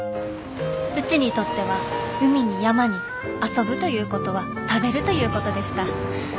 うちにとっては海に山に遊ぶということは食べるということでした。